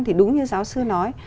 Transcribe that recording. thì đúng như giáo sư nói